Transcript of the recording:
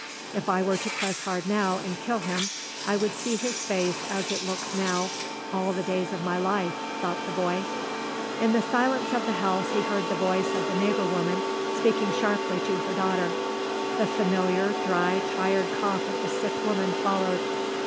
"If I were to press hard now and kill him I would see his face as it looks now all the days of my life," thought the boy. In the silence of the house he heard the voice of the neighbour woman speaking sharply to her daughter. The familiar, dry, tired cough of the sick woman followed.